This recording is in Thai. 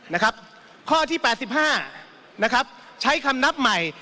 นะครับข้อที่๘๕นะครับใช้คำนับใหม่